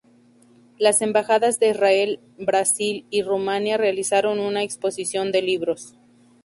Las embajadas de Israel, Brasil y Rumania realizaron una exposición de libros.